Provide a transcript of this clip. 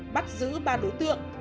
bắt giữ ba đối tượng